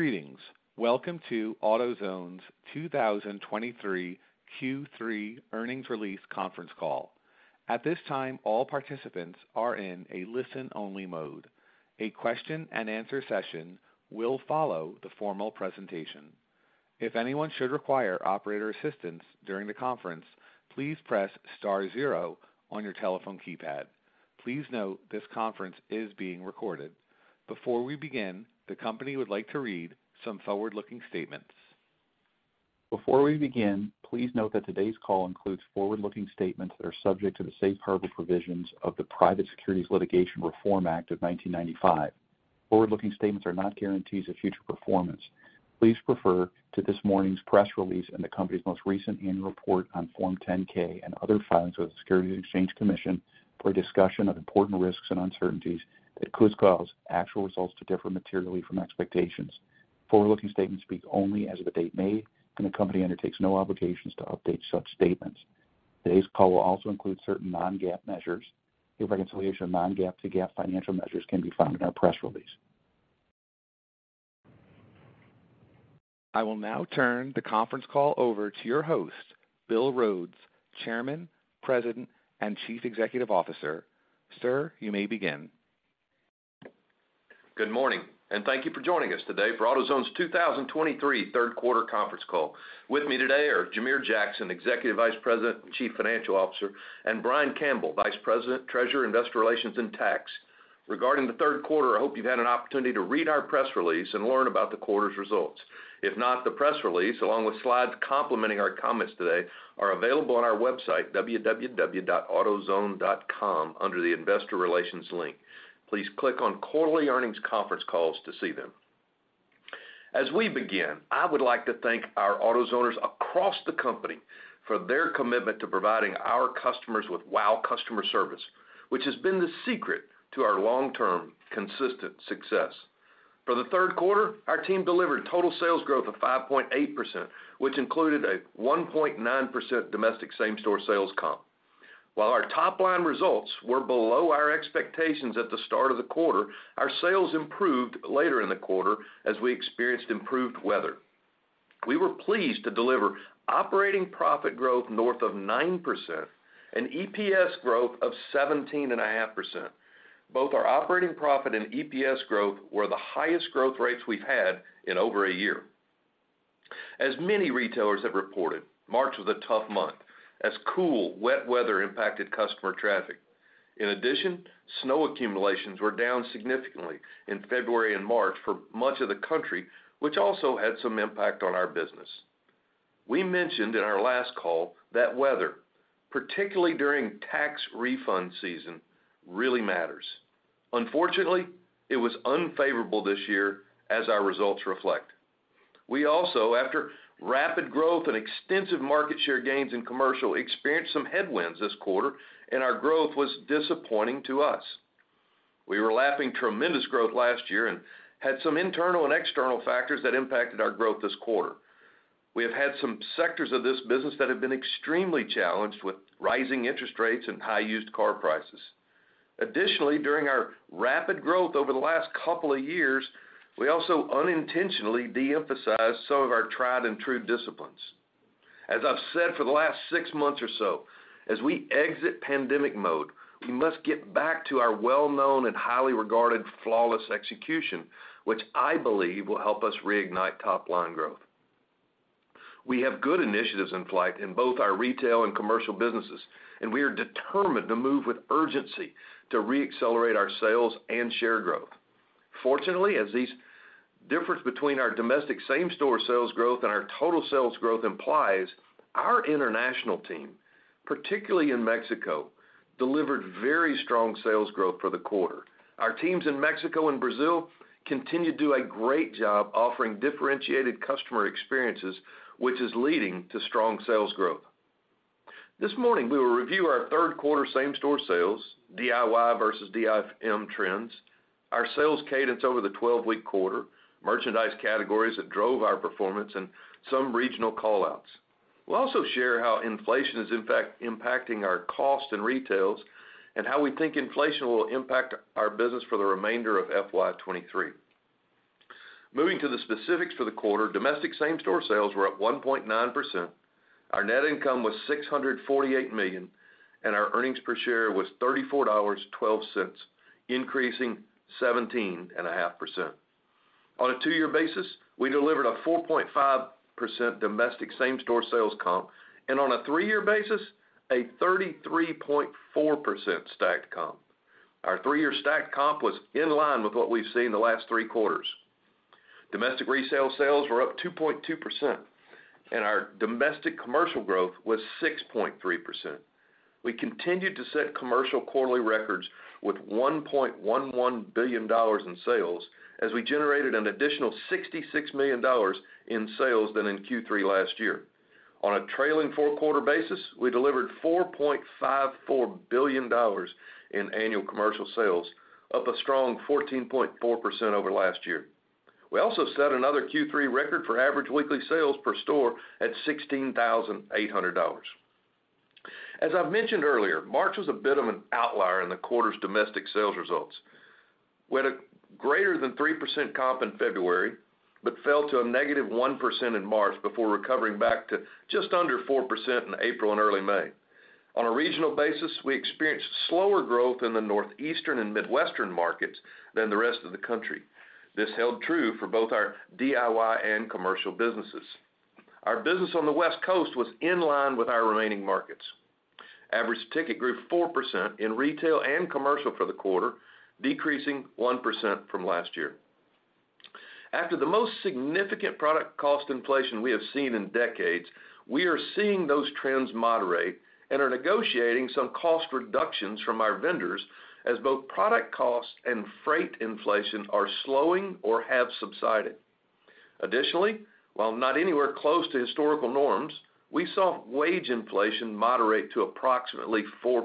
Greetings. Welcome to AutoZone's 2023 Q3 earnings release conference call. At this time, all participants are in a listen-only mode. A question and answer session will follow the formal presentation. If anyone should require operator assistance during the conference, please press star zero on your telephone keypad. Please note this conference is being recorded. Before we begin, the company would like to read some forward-looking statements. Before we begin, please note that today's call includes forward-looking statements that are subject to the safe harbor provisions of the Private Securities Litigation Reform Act of 1995. Forward-looking statements are not guarantees of future performance. Please refer to this morning's press release and the company's most recent annual report on Form 10-K and other filings with the Securities and Exchange Commission for a discussion of important risks and uncertainties that could cause actual results to differ materially from expectations. Forward-looking statements speak only as of the date made. The company undertakes no obligations to update such statements. Today's call will also include certain non-GAAP measures. The reconciliation of non-GAAP to GAAP financial measures can be found in our press release. I will now turn the conference call over to your host, Bill Rhodes, Chairman, President, and Chief Executive Officer. Sir, you may begin. Good morning, thank you for joining us today for AutoZone's 2023 Q3 conference call. With me today are Jamere Jackson, Executive Vice President and Chief Financial Officer, and Brian Campbell, Vice President, Treasurer, Investor Relations, and Tax. Regarding the Q3, I hope you've had an opportunity to read our press release and learn about the quarter's results. If not, the press release, along with slides complementing our comments today, are available on our website, www.autozone.com, under the Investor Relations link. Please click on Quarterly Earnings Conference Calls to see them. As we begin, I would like to thank our AutoZoners across the company for their commitment to providing our customers with wow customer service, which has been the secret to our long-term consistent success. For the Q3, our team delivered total sales growth of 5.8%, which included a 1.9% domestic same-store sales comp. While our top line results were below our expectations at the start of the quarter, our sales improved later in the quarter as we experienced improved weather. We were pleased to deliver operating profit growth north of 9% and EPS growth of 17.5%. Both our operating profit and EPS growth were the highest growth rates we've had in over a year. As many retailers have reported, March was a tough month as cool, wet weather impacted customer traffic. In addition, snow accumulations were down significantly in February and March for much of the country, which also had some impact on our business. We mentioned in our last call that weather, particularly during tax refund season, really matters. Unfortunately, it was unfavorable this year as our results reflect. We also, after rapid growth and extensive market share gains in commercial, experienced some headwinds this quarter and our growth was disappointing to us. We were lapping tremendous growth last year and had some internal and external factors that impacted our growth this quarter. We have had some sectors of this business that have been extremely challenged with rising interest rates and high used car prices. Additionally, during our rapid growth over the last couple of years, we also unintentionally de-emphasized some of our tried and true disciplines. As I've said for the last six months or so, as we exit pandemic mode, we must get back to our well-known and highly regarded flawless execution, which I believe will help us reignite top line growth. We have good initiatives in flight in both our retail and commercial businesses. We are determined to move with urgency to re-accelerate our sales and share growth. Fortunately, as this difference between our domestic same-store sales growth and our total sales growth implies, our international team, particularly in Mexico, delivered very strong sales growth for the quarter. Our teams in Mexico and Brazil continue to do a great job offering differentiated customer experiences, which is leading to strong sales growth. This morning, we will review our Q3 same-store sales, DIY versus DIFM trends, our sales cadence over the 12-week quarter, merchandise categories that drove our performance, and some regional call-outs. We'll also share how inflation is in fact impacting our cost and retails and how we think inflation will impact our business for the remainder of FY23. Moving to the specifics for the quarter, domestic same-store sales were up 1.9%. Our net income was $648 million, and our earnings per share was $34.12, increasing 17.5%. On a two-year basis, we delivered a 4.5% domestic same-store sales comp, and on a three-year basis, a 33.4% stacked comp. Our three-year stacked comp was in line with what we've seen the last three quarters. Domestic resale sales were up 2.2%, and our domestic commercial growth was 6.3%. We continued to set commercial quarterly records with $1.11 billion in sales as we generated an additional $66 million in sales than in Q3 last year. On a trailing four-quarter basis, we delivered $4.54 billion in annual commercial sales, up a strong 14.4% over last year. We also set another Q3 record for average weekly sales per store at $16,800. As I've mentioned earlier, March was a bit of an outlier in the quarter's domestic sales results. We had a greater than 3% comp in February, but fell to a negative 1% in March before recovering back to just under 4% in April and early May. On a regional basis, we experienced slower growth in the Northeastern and Midwestern markets than the rest of the country. This held true for both our DIY and commercial businesses. Our business on the West Coast was in line with our remaining markets. Average ticket grew 4% in retail and commercial for the quarter, decreasing 1% from last year. After the most significant product cost inflation we have seen in decades, we are seeing those trends moderate and are negotiating some cost reductions from our vendors as both product costs and freight inflation are slowing or have subsided. Additionally, while not anywhere close to historical norms, we saw wage inflation moderate to approximately 4%.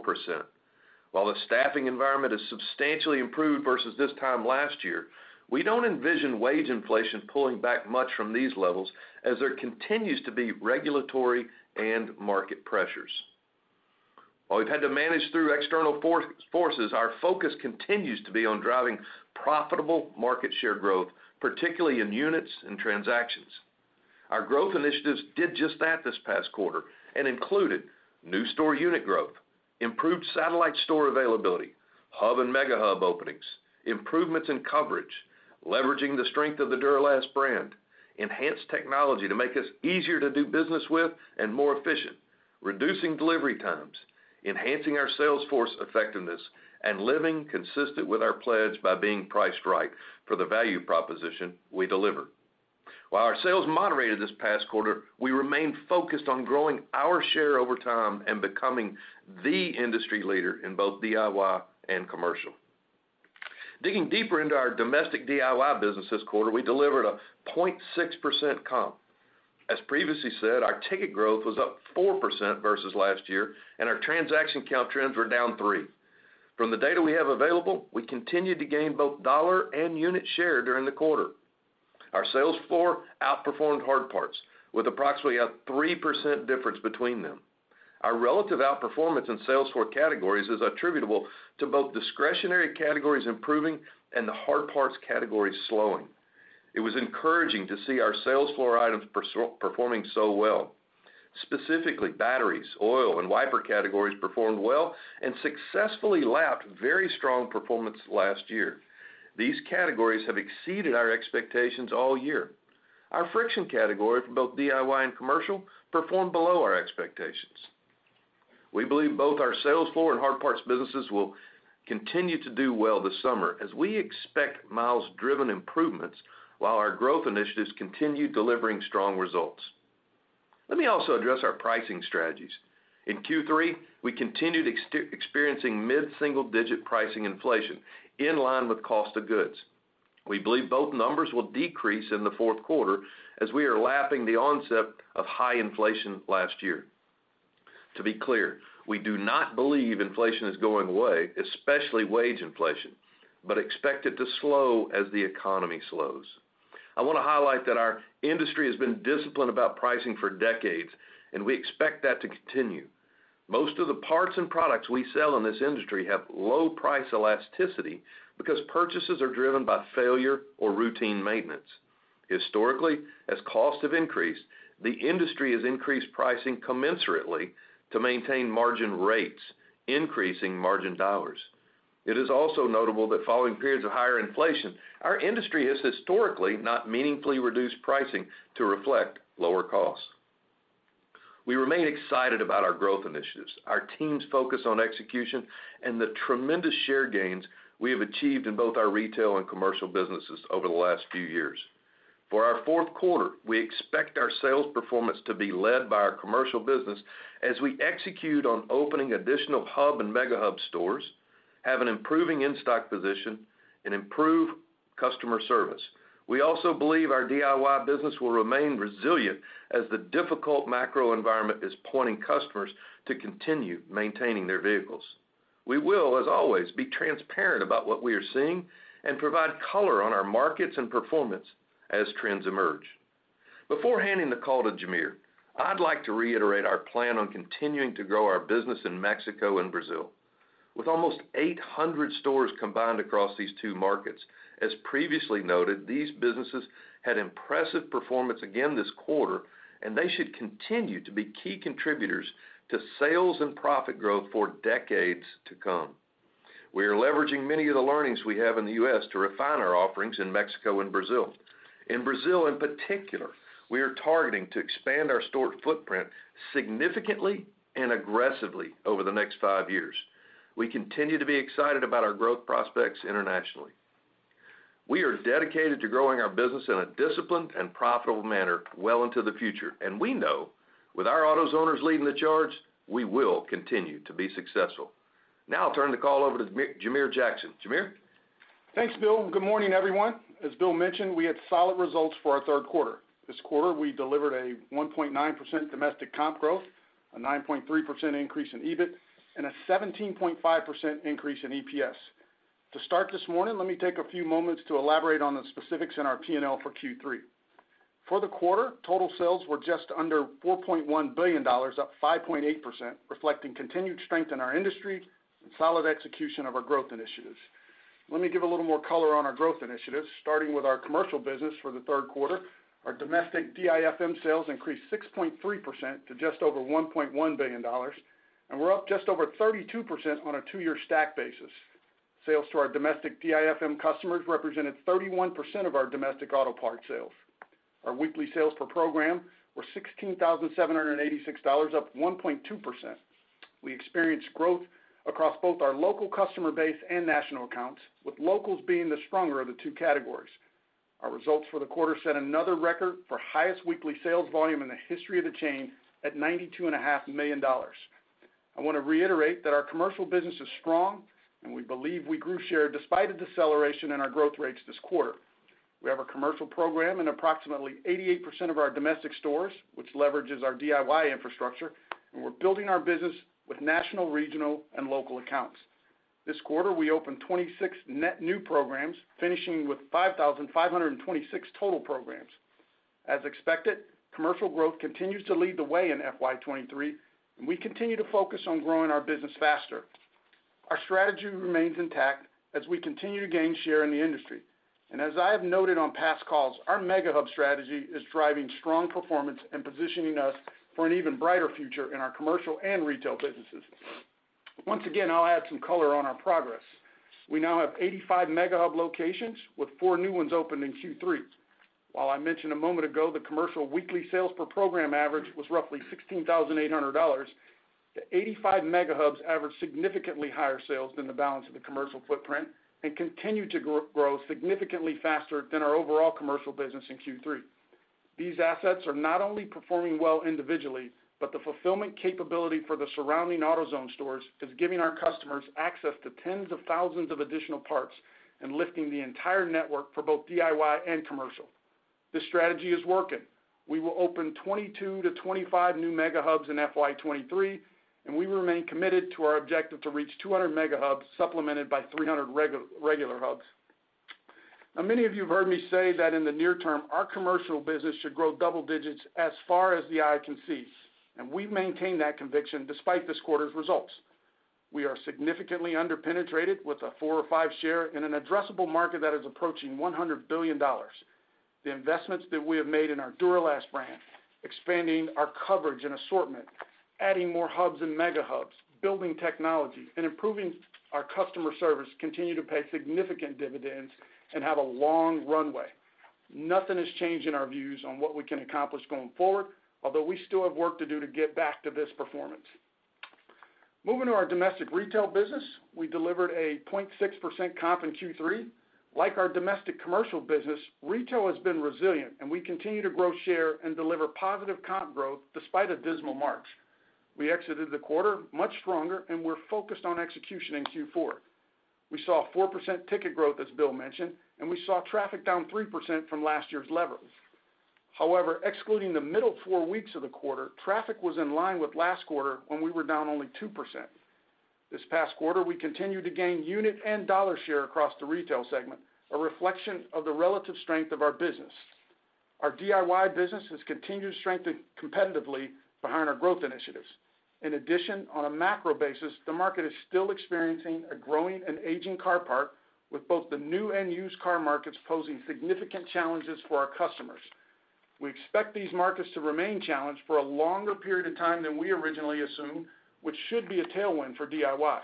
While the staffing environment is substantially improved versus this time last year, we don't envision wage inflation pulling back much from these levels as there continues to be regulatory and market pressures. While we've had to manage through external forces, our focus continues to be on driving profitable market share growth, particularly in units and transactions. Our growth initiatives did just that this past quarter and included new store unit growth, improved satellite store availability, hub and Mega Hub openings, improvements in coverage, leveraging the strength of the Duralast brand, enhanced technology to make us easier to do business with and more efficient, reducing delivery times, enhancing our sales force effectiveness, and living consistent with our pledge by being priced right for the value proposition we deliver. While our sales moderated this past quarter, we remain focused on growing our share over time and becoming the industry leader in both DIY and commercial. Digging deeper into our domestic DIY business this quarter, we delivered a 0.6% comp. As previously said, our ticket growth was up 4% versus last year, and our transaction count trends were down 3%. From the data we have available, we continued to gain both dollar and unit share during the quarter. Our sales floor outperformed hard parts with approximately a 3% difference between them. Our relative outperformance in sales floor categories is attributable to both discretionary categories improving and the hard parts categories slowing. It was encouraging to see our sales floor items performing so well. Specifically, batteries, oil, and wiper categories performed well and successfully lapped very strong performance last year. These categories have exceeded our expectations all year. Our friction category for both DIY and commercial performed below our expectations. We believe both our sales floor and hard parts businesses will continue to do well this summer as we expect miles-driven improvements while our growth initiatives continue delivering strong results. Let me also address our pricing strategies. In Q3, we continued experiencing mid-single-digit pricing inflation in line with cost of goods. We believe both numbers will decrease in the Q4 as we are lapping the onset of high inflation last year. To be clear, we do not believe inflation is going away, especially wage inflation, but expect it to slow as the economy slows. I wanna highlight that our industry has been disciplined about pricing for decades, and we expect that to continue. Most of the parts and products we sell in this industry have low price elasticity because purchases are driven by failure or routine maintenance. Historically, as costs have increased, the industry has increased pricing commensurately to maintain margin rates, increasing margin dollars. It is also notable that following periods of higher inflation, our industry has historically not meaningfully reduced pricing to reflect lower costs. We remain excited about our growth initiatives, our team's focus on execution, and the tremendous share gains we have achieved in both our retail and commercial businesses over the last few years. For our Q4 we expect our sales performance to be led by our commercial business as we execute on opening additional hub and Mega Hub stores, have an improving in-stock position, and improve customer service. We also believe our DIY business will remain resilient as the difficult macro environment is pointing customers to continue maintaining their vehicles. We will, as always, be transparent about what we are seeing and provide color on our markets and performance as trends emerge. Before handing the call to Jamere, I'd like to reiterate our plan on continuing to grow our business in Mexico and Brazil. With almost 800 stores combined across these two markets, as previously noted, these businesses had impressive performance again this quarter. They should continue to be key contributors to sales and profit growth for decades to come. We are leveraging many of the learnings we have in the U.S. to refine our offerings in Mexico and Brazil. In Brazil, in particular, we are targeting to expand our store footprint significantly and aggressively over the next five years. We continue to be excited about our growth prospects internationally. We are dedicated to growing our business in a disciplined and profitable manner well into the future. We know with our AutoZoners leading the charge, we will continue to be successful. I'll turn the call over to Jamere Jackson. Jamere? Thanks, Bill. Good morning, everyone. As Bill mentioned, we had solid results for our Q3. This quarter, we delivered a 1.9% domestic comp growth, a 9.3% increase in EBIT, a 17.5% increase in EPS. To start this morning, let me take a few moments to elaborate on the specifics in our P&L for Q3. For the quarter, total sales were just under $4.1 billion, up 5.8%, reflecting continued strength in our industry and solid execution of our growth initiatives. Let me give a little more color on our growth initiatives, starting with our commercial business for the Q3. Our domestic DIFM sales increased 6.3% - just over $1.1 billion, and we're up just over 32% on a two-year stack basis. Sales to our domestic DIFM customers represented 31% of our domestic auto parts sales. Our weekly sales per program were $16,786, up 1.2%. We experienced growth across both our local customer base and national accounts, with locals being the stronger of the two categories. Our results for the quarter set another record for highest weekly sales volume in the history of the chain at $92 and a half million. I wanna reiterate that our commercial business is strong, and we believe we grew share despite a deceleration in our growth rates this quarter. We have a commercial program in approximately 88% of our domestic stores, which leverages our DIY infrastructure, and we're building our business with national, regional, and local accounts. This quarter, we opened 26 net new programs, finishing with 5,526 total programs. As expected, commercial growth continues to lead the way in FY23, and we continue to focus on growing our business faster. Our strategy remains intact as we continue to gain share in the industry. As I have noted on past calls, our Mega Hub strategy is driving strong performance and positioning us for an even brighter future in our commercial and retail businesses. Once again, I'll add some color on our progress. We now have 85 Mega Hub locations, with 4 new ones opened in Q3. While I mentioned a moment ago the commercial weekly sales per program average was roughly $16,800, the 85 Mega Hubs average significantly higher sales than the balance of the commercial footprint and continue to grow significantly faster than our overall commercial business in Q3. These assets are not only performing well individually, but the fulfillment capability for the surrounding AutoZone stores is giving our customers access to tens of thousands of additional parts and lifting the entire network for both DIY and commercial. This strategy is working. We will open 22-25 new Mega Hubs in FY23. We remain committed to our objective to reach 200 Mega Hubs, supplemented by 300 regular hubs. Many of you have heard me say that in the near term, our commercial business should grow double digits as far as the eye can see, and we maintain that conviction despite this quarter's results. We are significantly under-penetrated with a four or five share in an addressable market that is approaching $100 billion. The investments that we have made in our Duralast brand, expanding our coverage and assortment, adding more hubs and Mega Hubs, building technology, and improving our customer service continue to pay significant dividends and have a long runway. Nothing has changed in our views on what we can accomplish going forward, although we still have work to do to get back to this performance. Moving to our domestic retail business, we delivered a 0.6% comp in Q3. Like our domestic commercial business, retail has been resilient, and we continue to grow share and deliver positive comp growth despite a dismal March. We exited the quarter much stronger, and we're focused on execution in Q4. We saw a 4% ticket growth, as Bill mentioned, and we saw traffic down 3% from last year's levels. However, excluding the middle 4 weeks of the quarter, traffic was in line with last quarter when we were down only 2%. This past quarter, we continued to gain unit and dollar share across the retail segment, a reflection of the relative strength of our business. Our DIY business has continued to strengthen competitively behind our growth initiatives. In addition, on a macro basis, the market is still experiencing a growing and aging car park, with both the new and used car markets posing significant challenges for our customers. We expect these markets to remain challenged for a longer period of time than we originally assumed, which should be a tailwind for DIY.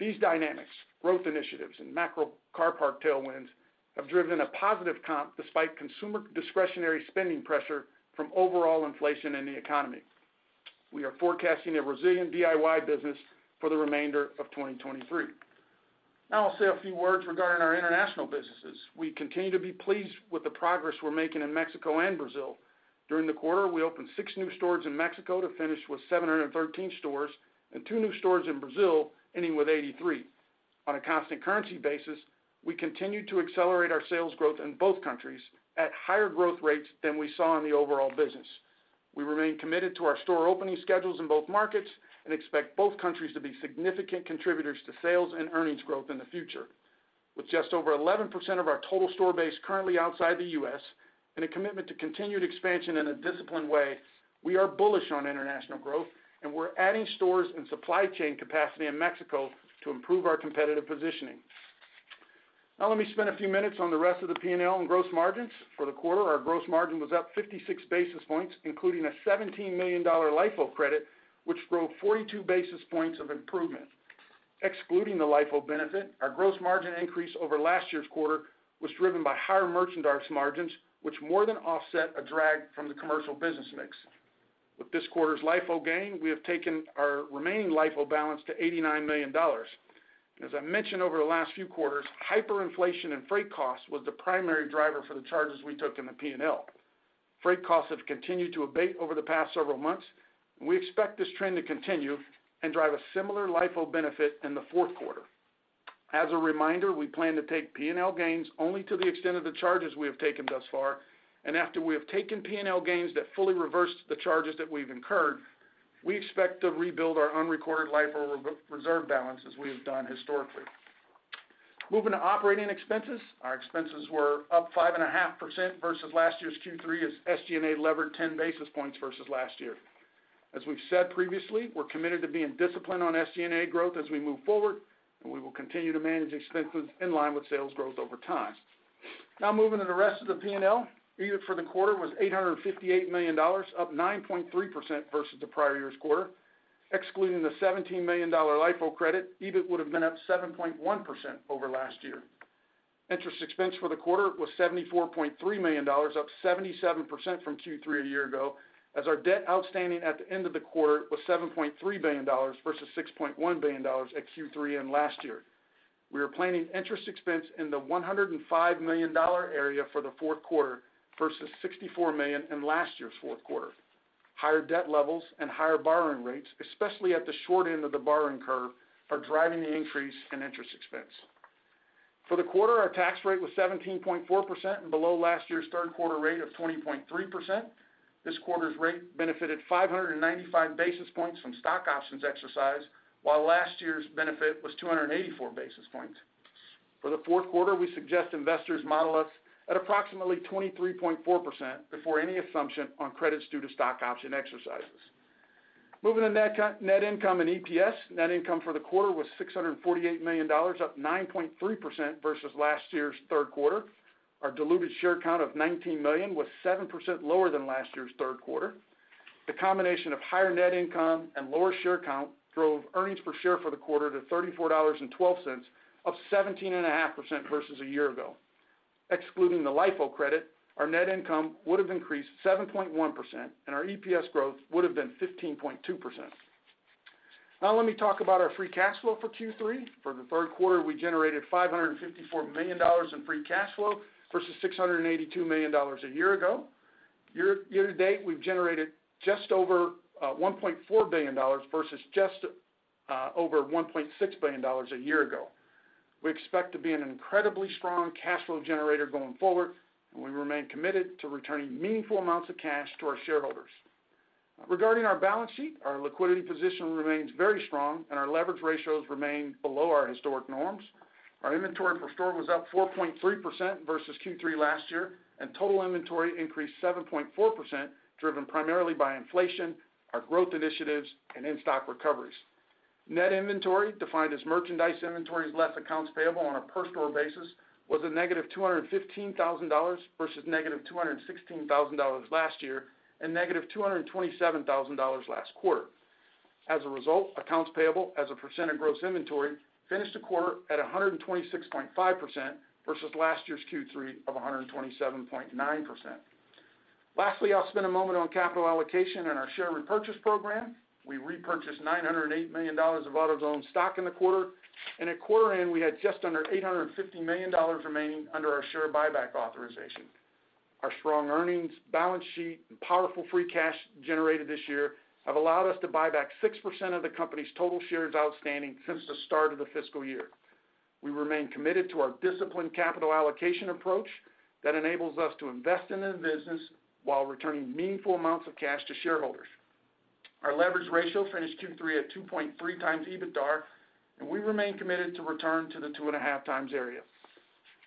These dynamics, growth initiatives, and macro car park tailwinds have driven a positive comp despite consumer discretionary spending pressure from overall inflation in the economy. We are forecasting a resilient DIY business for the remainder of 2023. I'll say a few words regarding our international businesses. We continue to be pleased with the progress we're making in Mexico and Brazil. During the quarter, we opened six new stores in Mexico to finish with 713 stores and two new stores in Brazil, ending with 83. On a constant currency basis, we continued to accelerate our sales growth in both countries at higher growth rates than we saw in the overall business. We remain committed to our store opening schedules in both markets and expect both countries to be significant contributors to sales and earnings growth in the future. With just over 11% of our total store base currently outside the U.S. and a commitment to continued expansion in a disciplined way, we are bullish on international growth, and we're adding stores and supply chain capacity in Mexico to improve our competitive positioning. Let me spend a few minutes on the rest of the P&L and gross margins. For the quarter, our gross margin was up 56 basis points, including a $17 million LIFO credit, which drove 42 basis points of improvement. Excluding the LIFO benefit, our gross margin increase over last year's quarter was driven by higher merchandise margins, which more than offset a drag from the commercial business mix. With this quarter's LIFO gain, we have taken our remaining LIFO balance to $89 million. As I mentioned over the last few quarters, hyperinflation and freight costs was the primary driver for the charges we took in the P&L. Freight costs have continued to abate over the past several months. We expect this trend to continue and drive a similar LIFO benefit in the Q4. As a reminder, we plan to take P&L gains only to the extent of the charges we have taken thus far. After we have taken P&L gains that fully reverse the charges that we've incurred, we expect to rebuild our unrecorded LIFO re-reserve balance as we have done historically. Moving to operating expenses. Our expenses were up 5.5% versus last year's Q3 as SG&A levered 10 basis points versus last year. As we've said previously, we're committed to being disciplined on SG&A growth as we move forward, and we will continue to manage expenses in line with sales growth over time. Moving to the rest of the P&L. EBIT for the quarter was $858 million, up 9.3% versus the prior year's quarter. Excluding the $17 million LIFO credit, EBIT would have been up 7.1% over last year. Interest expense for the quarter was $74.3 million, up 77% from Q3 a year ago as our debt outstanding at the end of the quarter was $7.3 billion versus $6.1 billion at Q3 end last year. We are planning interest expense in the $105 million area for the Q4 versus $64 million in last year's Q4. Higher debt levels and higher borrowing rates, especially at the short end of the borrowing curve, are driving the increase in interest expense. For the quarter, our tax rate was 17.4% and below last year's Q3 rate of 20.3%. This quarter's rate benefited 595 basis points from stock options exercised, while last year's benefit was 284 basis points. For the Q4, we suggest investors model us at approximately 23.4% before any assumption on credits due to stock option exercises. Moving to net income and EPS. Net Income for the quarter was $648 million, up 9.3% versus last year's Q3. Our diluted share count of 19 million was 7% lower than last year's Q3. The combination of higher net income and lower share count drove earnings per share for the quarter to $34.12, up 17.5% versus a year ago. Excluding the LIFO credit, our net income would have increased 7.1% and our EPS growth would have been 15.2%. Let me talk about our free cash flow for Q3. For the Q3, we generated $554 million in free cash flow versus $682 million a year ago. Year-to-date, we've generated just over $1.4 billion versus just over $1.6 billion a year ago. We expect to be an incredibly strong cash flow generator going forward, and we remain committed to returning meaningful amounts of cash to our shareholders. Regarding our balance sheet, our liquidity position remains very strong and our leverage ratios remain below our historic norms. Our inventory per store was up 4.3% versus Q3 last year, and total inventory increased 7.4%, driven primarily by inflation, our growth initiatives, and in-stock recoveries. Net inventory, defined as merchandise inventories less accounts payable on a per-store basis, was -$215,000 versus -$216,000 last year and -$227,000 last quarter. As a result, accounts payable as a percent of gross inventory finished the quarter at 126.5% versus last year's Q3 of 127.9%. Lastly, I'll spend a moment on capital allocation and our share repurchase program. We repurchased $908 million of AutoZone stock in the quarter, at quarter end, we had just under $850 million remaining under our share buyback authorization. Our strong earnings, balance sheet, and powerful free cash generated this year have allowed us to buy back 6% of the company's total shares outstanding since the start of the fiscal year. We remain committed to our disciplined capital allocation approach that enables us to invest in the business while returning meaningful amounts of cash to shareholders. Our leverage ratio finished Q3 at 2.3x EBITDA, we remain committed to return to the 2.5x area.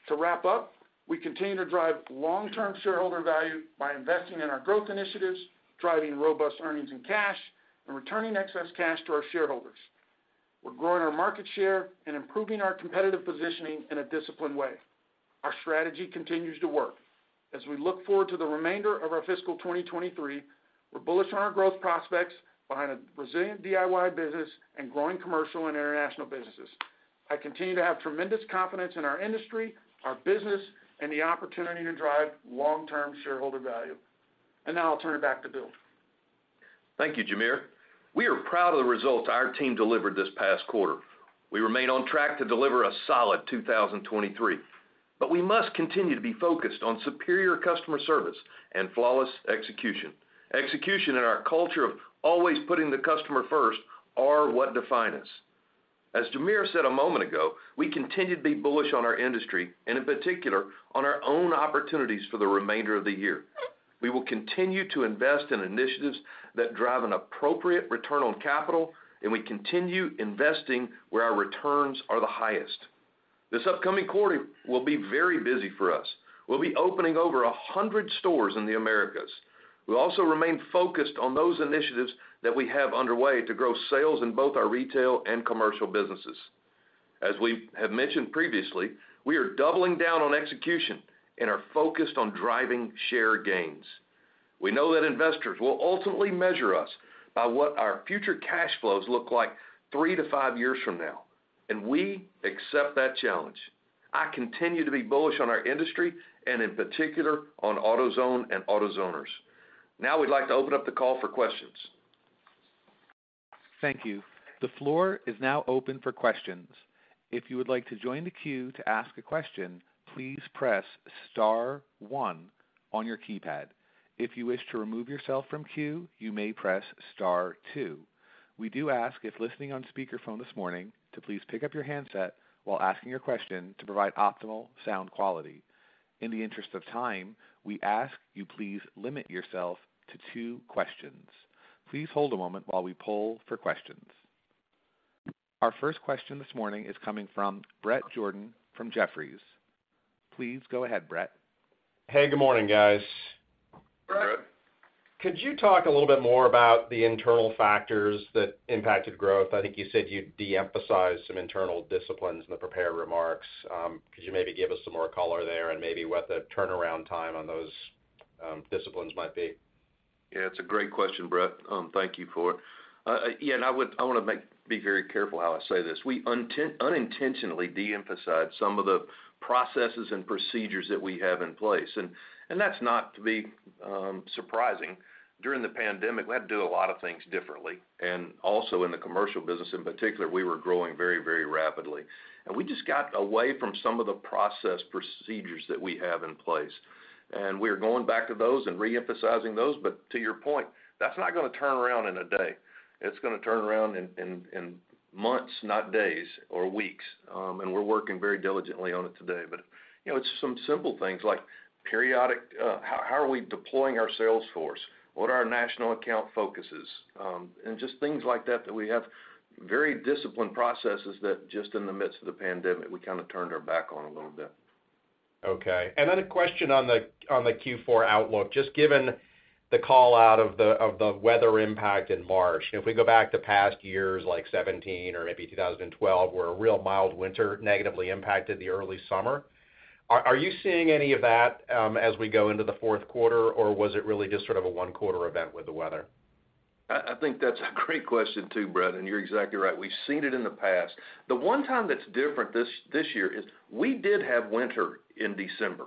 To wrap up, we continue to drive long-term shareholder value by investing in our growth initiatives, driving robust earnings and cash, and returning excess cash to our shareholders. We're growing our market share and improving our competitive positioning in a disciplined way. Our strategy continues to work. As we look forward to the remainder of our fiscal 2023, we're bullish on our growth prospects behind a resilient DIY business and growing commercial and international businesses. I continue to have tremendous confidence in our industry, our business, and the opportunity to drive long-term shareholder value. Now I'll turn it back to Bill. Thank you, Jamere. We are proud of the results our team delivered this past quarter. We remain on track to deliver a solid 2023. We must continue to be focused on superior customer service and flawless execution. Execution and our culture of always putting the customer first are what define us. As Jamere said a moment ago, we continue to be bullish on our industry and, in particular, on our own opportunities for the remainder of the year. We will continue to invest in initiatives that drive an appropriate return on capital. We continue investing where our returns are the highest. This upcoming quarter will be very busy for us. We'll be opening over 100 stores in the Americas. We'll also remain focused on those initiatives that we have underway to grow sales in both our retail and commercial businesses. As we have mentioned previously, we are doubling down on execution and are focused on driving share gains. We know that investors will ultimately measure us by what our future cash flows look like 3 to 5 years from now, and we accept that challenge. I continue to be bullish on our industry and, in particular, on AutoZone and AutoZoners. Now we'd like to open up the call for questions. Thank you. The floor is now open for questions. If you would like to join the queue to ask a question, please press star one. On your keypad. If you wish to remove yourself from queue, you may press star two. We do ask, if listening on speakerphone this morning, to please pick up your handset while asking your question to provide optimal sound quality. In the interest of time, we ask you please limit yourself to two questions. Please hold a moment while we poll for questions. Our first question this morning is coming from Bret Jordan from Jefferies. Please go ahead, Bret. Hey, good morning, guys. Good. Could you talk a little bit more about the internal factors that impacted growth? I think you said you'd de-emphasize some internal disciplines in the prepared remarks. Could you maybe give us some more color there and maybe what the turnaround time on those disciplines might be? Yeah, it's a great question, Bret. Thank you for it. Yeah, I wanna be very careful how I say this. We unintentionally de-emphasized some of the processes and procedures that we have in place, and that's not to be surprising. During the pandemic, we had to do a lot of things differently, also in the commercial business in particular, we were growing very, very rapidly. We just got away from some of the process procedures that we have in place. We're going back to those and re-emphasizing those. To your point, that's not gonna turn around in a day. It's gonna turn around in months, not days or weeks. We're working very diligently on it today. You know, it's some simple things like periodic, how are we deploying our sales force? What are our national account focuses? Just things like that we have very disciplined processes that just in the midst of the pandemic, we kinda turned our back on a little bit. Okay. A question on the Q4 outlook. Just given the call out of the weather impact in March. If we go back to past years like 2017 or maybe 2012, where a real mild winter negatively impacted the early summer, are you seeing any of that as we go into the Q4, or was it really just sort of a one quarter event with the weather? I think that's a great question too, Bret, and you're exactly right. We've seen it in the past. The one time that's different this year is we did have winter in December.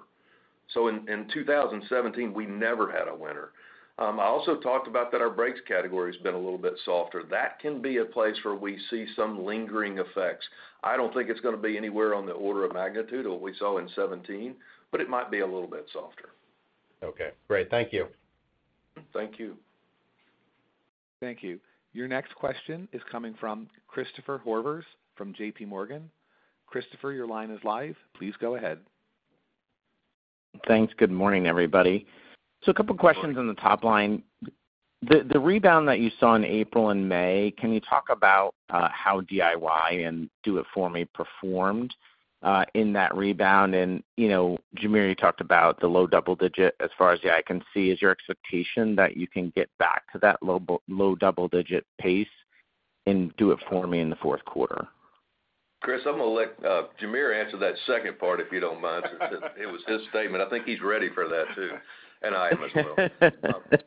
In 2017, we never had a winter. I also talked about that our brakes category has been a little bit softer. That can be a place where we see some lingering effects. I don't think it's gonna be anywhere on the order of magnitude of what we saw in 2017, but it might be a little bit softer. Okay. Great. Thank you. Thank you. Thank you. Your next question is coming from Christopher Horvers from JP Morgan. Christopher, your line is live. Please go ahead. Thanks. Good morning, everybody. A couple questions on the top line. The rebound that you saw in April and May, can you talk about how DIY and Do-It-For-Me performed in that rebound? You know, Jamere, you talked about the low double digit as far as the eye can see. Is your expectation that you can get back to that low double digit pace in Do-It-For-Me in the Q4? Chris, I'm gonna let Jamere answer that second part, if you don't mind. Since it was his statement. I think he's ready for that too, and I am as well.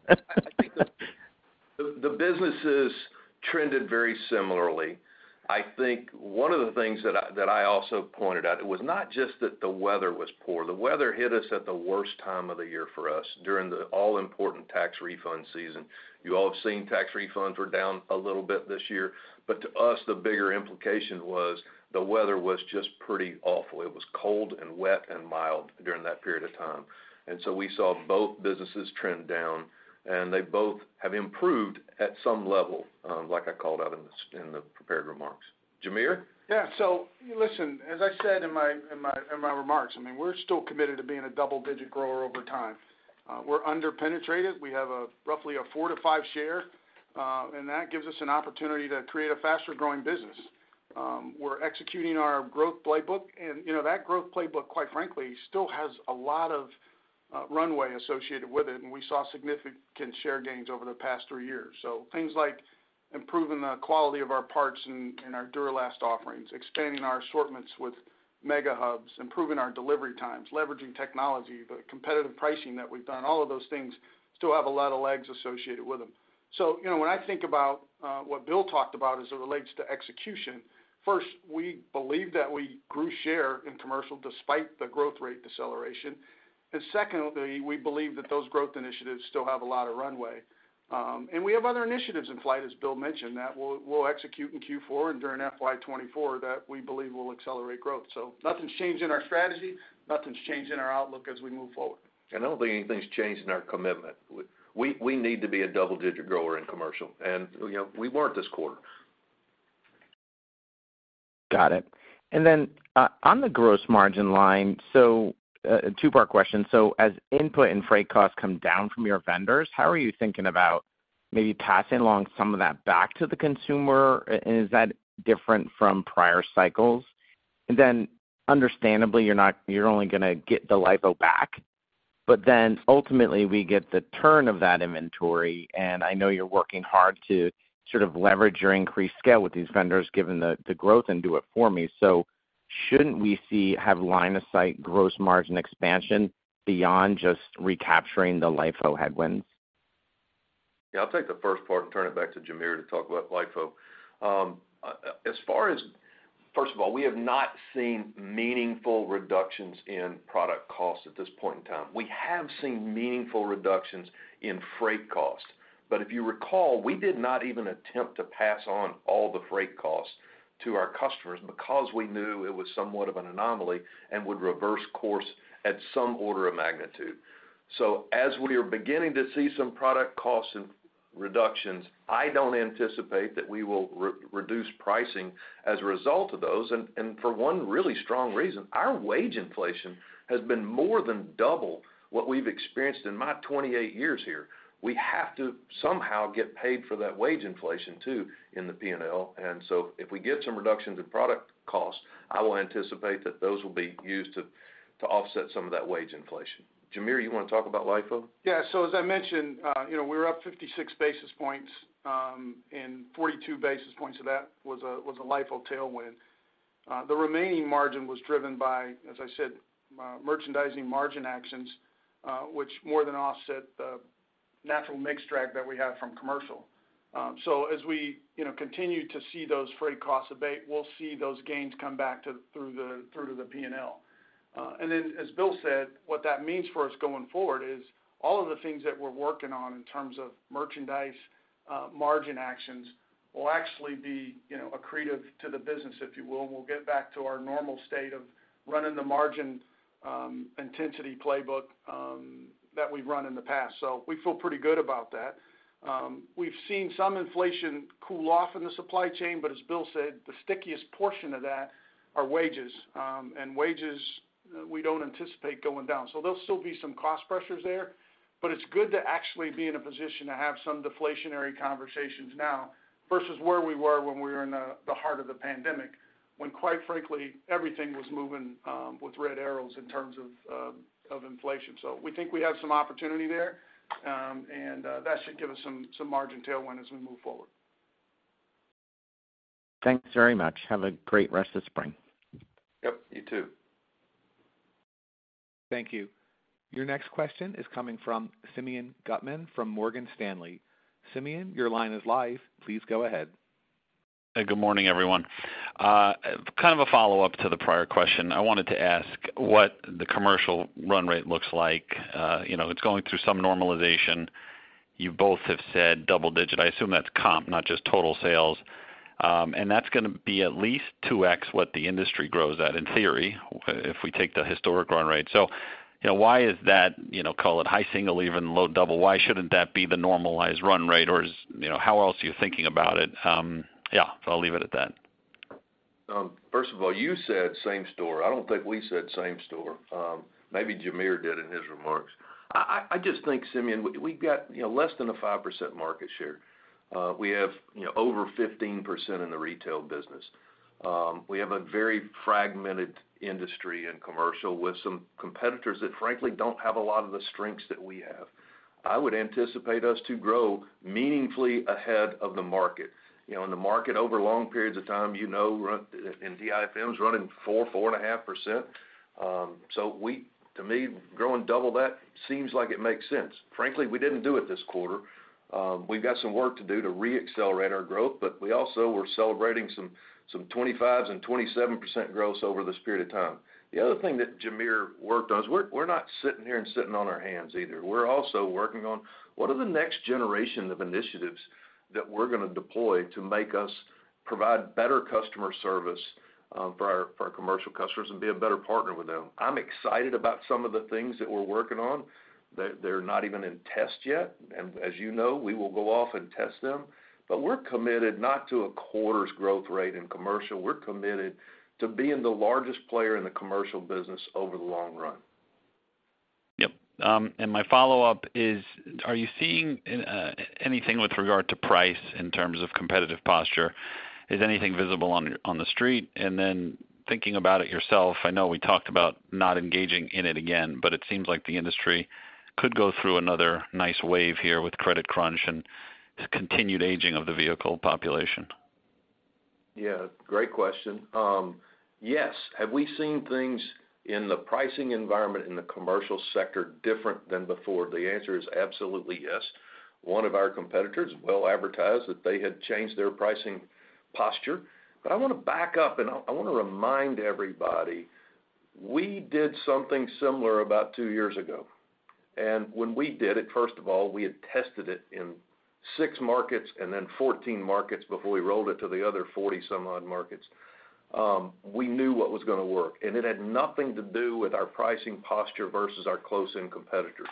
I think the businesses trended very similarly. I think one of the things that I also pointed out, it was not just that the weather was poor. The weather hit us at the worst time of the year for us, during the all important tax refund season. You all have seen tax refunds were down a little bit this year. To us, the bigger implication was the weather was just pretty awful. It was cold and wet and mild during that period of time. We saw both businesses trend down, and they both have improved at some level, like I called out in the prepared remarks. Jamere? Yeah. Listen, as I said in my remarks, I mean, we're still committed to being a double-digit grower over time. We're under-penetrated. We have a roughly a 4% - 5% share, and that gives us an opportunity to create a faster growing business. We're executing our growth playbook. You know, that growth playbook, quite frankly, still has a lot of runway associated with it, and we saw significant share gains over the past 3 years. Things like improving the quality of our parts in our Duralast offerings, expanding our assortments with Mega Hubs, improving our delivery times, leveraging technology, the competitive pricing that we've done, all of those things still have a lot of legs associated with them. You know, when I think about what Bill talked about as it relates to execution, first, we believe that we grew share in commercial despite the growth rate deceleration. Secondly, we believe that those growth initiatives still have a lot of runway. We have other initiatives in flight, as Bill mentioned, that we'll execute in Q4 and during FY '24 that we believe will accelerate growth. Nothing's changed in our strategy. Nothing's changed in our outlook as we move forward. I don't think anything's changed in our commitment. We need to be a double-digit grower in commercial, you know, we weren't this quarter. Got it. On the gross margin line, a two-part question. As input and freight costs come down from your vendors, how are you thinking about maybe passing along some of that back to the consumer? And is that different from prior cycles? Understandably, you're only gonna get the LIFO back, but then ultimately, we get the turn of that inventory, and I know you're working hard to sort of leverage your increased scale with these vendors given the growth in Do-It-For-Me. Shouldn't we have line of sight gross margin expansion beyond just recapturing the LIFO headwinds? Yeah, I'll take the first part and turn it back to Jamere to talk about LIFO. First of all, we have not seen meaningful reductions in product costs at this point in time. We have seen meaningful reductions in freight costs. If you recall, we did not even attempt to pass on all the freight costs to our customers because we knew it was somewhat of an anomaly and would reverse course at some order of magnitude. As we are beginning to see some product costs reductions. I don't anticipate that we will re-reduce pricing as a result of those. For one really strong reason, our wage inflation has been more than double what we've experienced in my 28 years here. We have to somehow get paid for that wage inflation too in the P&L. If we get some reductions in product costs, I will anticipate that those will be used to offset some of that wage inflation. Jamere, you wanna talk about LIFO? Yeah. As I mentioned, you know, we were up 56 basis points, and 42 basis points of that was a LIFO tailwind. The remaining margin was driven by, as I said, merchandising margin actions, which more than offset the natural mix drag that we have from commercial. As we, you know, continue to see those freight costs abate, we'll see those gains come back through to the P&L. As Bill said, what that means for us going forward is all of the things that we're working on in terms of merchandise, margin actions will actually be, you know, accretive to the business, if you will. We'll get back to our normal state of running the margin intensity playbook that we've run in the past. We feel pretty good about that. We've seen some inflation cool off in the supply chain, but as Bill said, the stickiest portion of that are wages. Wages, we don't anticipate going down. There'll still be some cost pressures there, but it's good to actually be in a position to have some deflationary conversations now versus where we were when we were in the heart of the pandemic, when quite frankly, everything was moving with red arrows in terms of inflation. We think we have some opportunity there, that should give us some margin tailwind as we move forward. Thanks very much. Have a great rest of spring. Yep, you too. Thank you. Your next question is coming from Simeon Gutman from Morgan Stanley. Simeon, your line is live. Please go ahead. Hey, good morning, everyone. Kind of a follow-up to the prior question. I wanted to ask what the commercial run rate looks like. You know, it's going through some normalization. You both have said double digit. I assume that's comp, not just total sales. That's gonna be at least 2x what the industry grows at, in theory, if we take the historic run rate. You know, why is that, you know, call it high single even low double, why shouldn't that be the normalized run rate? You know, how else are you thinking about it? Yeah. I'll leave it at that. First of all, you said same store. I don't think we said same store. Maybe Jamere did in his remarks. I just think, Simeon, we've got, you know, less than a 5% market share. We have, you know, over 15% in the retail business. We have a very fragmented industry in commercial with some competitors that frankly don't have a lot of the strengths that we have. I would anticipate us to grow meaningfully ahead of the market. You know, and the market over long periods of time, you know, DIFM's running 4 and a half %. To me, growing double that seems like it makes sense. Frankly, we didn't do it this quarter. We've got some work to do to re-accelerate our growth. We also we're celebrating some 25% and 27% growths over this period of time. The other thing that Jamere worked on is we're not sitting here and sitting on our hands either. We're also working on what are the next generation of initiatives that we're gonna deploy to make us provide better customer service for our commercial customers and be a better partner with them. I'm excited about some of the things that we're working on that they're not even in test yet. As you know, we will go off and test them. We're committed not to a quarter's growth rate in commercial. We're committed to being the largest player in the commercial business over the long run. Yep. My follow-up is, are you seeing anything with regard to price in terms of competitive posture? Is anything visible on the street? Then thinking about it yourself, I know we talked about not engaging in it again, but it seems like the industry could go through another nice wave here with credit crunch and the continued aging of the vehicle population. Yeah, great question. Yes. Have we seen things in the pricing environment in the commercial sector different than before? The answer is absolutely yes. One of our competitors well advertised that they had changed their pricing posture. I wanna back up, and I wanna remind everybody, we did something similar about 2 years ago. When we did it, first of all, we had tested it in 6 markets and then 14 markets before we rolled it to the other 40 some odd markets. We knew what was gonna work, and it had nothing to do with our pricing posture versus our close-in competitors.